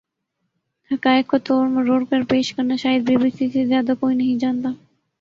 حقائق کو توڑ مروڑ کر پیش کرنا شاید بی بی سی سے زیادہ کوئی نہیں جانتا